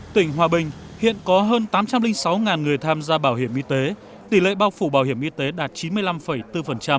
tỉnh hòa bình hiện có hơn tám trăm linh sáu người tham gia bảo hiểm y tế tỷ lệ bao phủ bảo hiểm y tế đạt chín mươi năm bốn